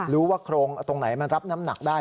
รู้ว่าโครงตรงไหนมันรับน้ำหนักได้